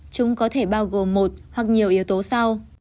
chúng có thể bao gồm một hoặc nhiều yếu tố sau